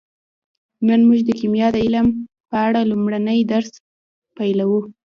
نن موږ د کیمیا د علم په اړه لومړنی درس پیلوو